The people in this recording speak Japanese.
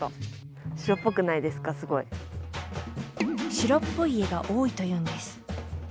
城っぽい家が多いというんです。